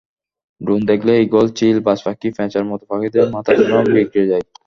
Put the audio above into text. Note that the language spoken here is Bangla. ড্রোন দেখলে ইগল, চিল, বাজপাখি, প্যাঁচার মতো পাখিদের মাথা যেন বিগড়ে যায়।